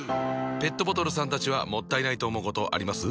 ペットボトルさんたちはもったいないと思うことあります？